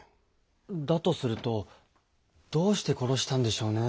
だとするとどうして殺したんでしょうねえ？